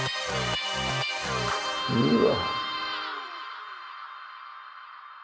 うわ。